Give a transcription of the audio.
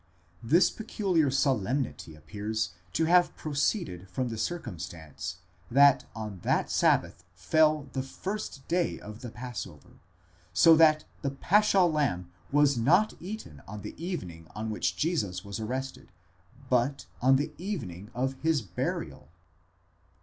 31); this peculiar solemnity appears to have proceeded from the circumstance, that on that sabbath fell the first day of the passover, so that the paschal lamb was not eaten on the evening on which Jesus was arrested, but on the evening of his burial.